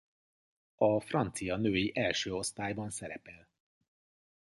A francia női első osztályban szerepel.